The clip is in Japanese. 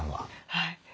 はい。